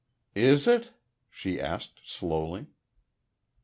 "Is it?" she asked, slowly.